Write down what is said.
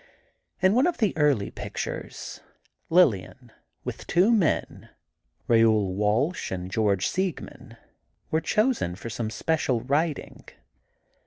In one of the early pictures, Lillian, with two men, Raoul Walsh and George Siegman, were chosen for some special riding.